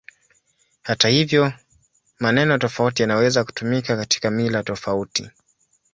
Hata hivyo, maneno tofauti yanaweza kutumika katika mila tofauti.